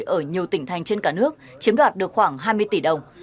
nhiều người ở nhiều tỉnh thành trên cả nước chiếm đoạt được khoảng hai mươi tỷ đồng